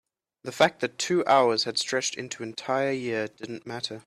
the fact that the two hours had stretched into an entire year didn't matter.